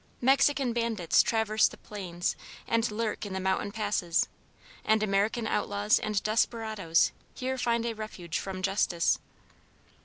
Mexican bandits traverse the plains and lurk in the mountain passes, and American outlaws and desperadoes here find a refuge from justice.